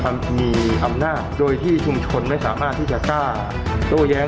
มันมีอำนาจโดยที่ชุมชนไม่สามารถที่จะกล้าโต้แย้ง